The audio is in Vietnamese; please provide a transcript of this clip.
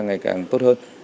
ngày càng tốt hơn